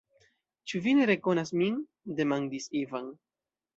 Ĉu vi ne rekonas min?demandis Ivan.